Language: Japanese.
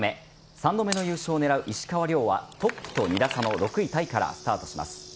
３度目の優勝を狙う石川遼はトップと２打差の６位タイからスタートします。